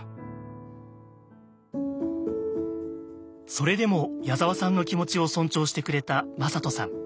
それでも矢沢さんの気持ちを尊重してくれた魔裟斗さん。